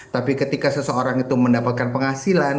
tapi ketika seseorang itu mendapatkan penghasilan